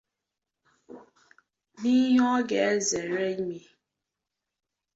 na ihe ọ ga-ezèré ime